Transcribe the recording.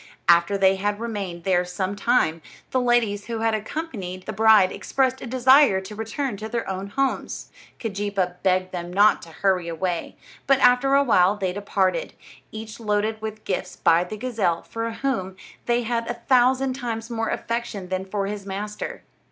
After they had remained there some time, the ladies who had accompanied the bride expressed a desire to return to their own homes. Keejeepaa begged them not to hurry away, but after a while they departed, each loaded with gifts by the gazelle, for whom they had a thousand times more affection than for his master.